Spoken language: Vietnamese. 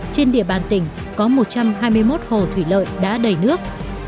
trên địa bàn tỉnh có một trăm hai mươi một hồ thủy lợi đã đầy nước